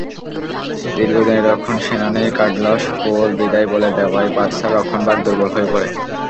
দীর্ঘদিনের রক্ষণসেনানী Carlos Puyol বিদায় বলে দেওয়ায় বার্সার রক্ষণভাগ দুর্বল হয়ে পড়ে।